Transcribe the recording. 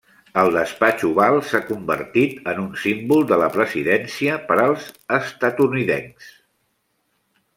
El Despatx Oval s'ha convertit en un símbol de la presidència per als estatunidencs.